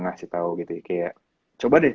ngasih tau gitu kayak coba deh